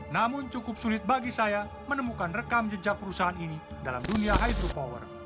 namun cukup sulit bagi saya menemukan rekam jejak perusahaan ini dalam dunia hydropower